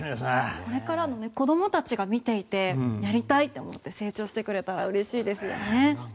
これからの子どもたちが見ていてやりたいと思って成長してくれたらうれしいですよね。